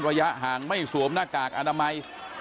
ระยะห่างไม่สวมหน้ากากอนามัย